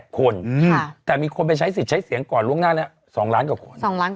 ๕๒๒๔๑๘๐๘คนแต่มีคนไปใช้สิทธิ์ใช้เสียงก่อนล่วงหน้าเนี่ย๒ล้านกว่าคน